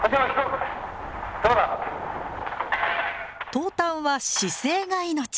投炭は姿勢が命。